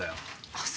あっ